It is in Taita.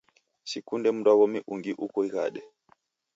Sikunde mndwaw'omi ungi uko ighade